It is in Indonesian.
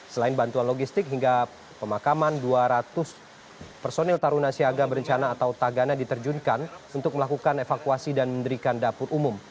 selain bantuan logistik hingga pemakaman dua ratus personil taruna siaga berencana atau tagana diterjunkan untuk melakukan evakuasi dan menderikan dapur umum